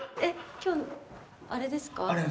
今日あれですか？